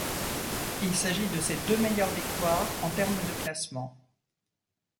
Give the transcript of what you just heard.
Il s'agit de ses deux meilleures victoires en termes de classement.